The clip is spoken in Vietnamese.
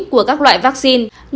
của các loại vaccine